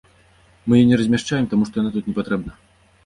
Мы яе не размяшчаем, таму што яна тут не патрэбна.